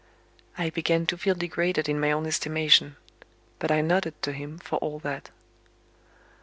I began to feel degraded in my own estimation. But I nodded to him, for all that.